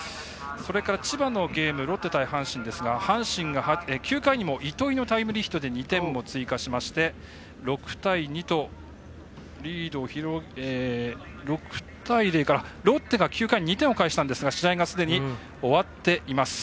千葉、ロッテ対阪神ですが阪神が９回にも糸井のタイムリーヒットで２点追加しまして６対０からロッテが２点を返したんですが試合がすでに終わっています。